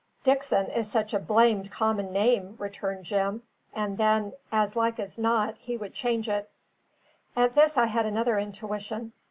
"Dickson is such a blamed common name," returned Jim; "and then, as like as not, he would change it." At this I had another intuition.